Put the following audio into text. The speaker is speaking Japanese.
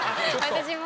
私も？